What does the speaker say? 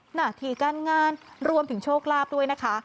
หน้าที่การงานรวมถึงโชคลาภด้วยนะคะ